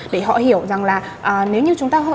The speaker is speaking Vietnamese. để họ hiểu rằng là nếu như chúng ta